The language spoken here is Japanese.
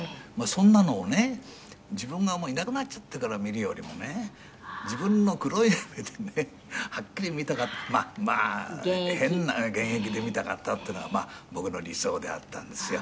そんなのをね自分がいなくなっちゃってから見るよりもね自分の黒い目でねはっきり見たかった」「現役」「現役で見たかったっていうのは僕の理想であったんですよ」